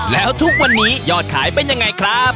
แล้วทุกวันนี้ยอดขายเป็นยังไงครับ